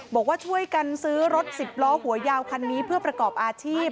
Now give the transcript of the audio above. บอกว่าช่วยกันซื้อรถสิบล้อหัวยาวคันนี้เพื่อประกอบอาชีพ